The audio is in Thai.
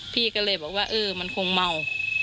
พี่ก็เลยบอกว่าเออมันคงเมา